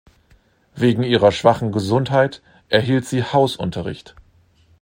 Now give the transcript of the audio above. Wegen ihrer schwachen Gesundheit erhielt sie Hausunterricht.